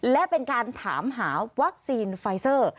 และเป็นการถามหาวัคซีนไฟเซอร์